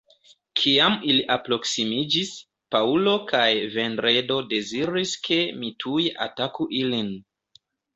Kiam ili aproksimiĝis, Paŭlo kaj Vendredo deziris ke mi tuj ataku ilin.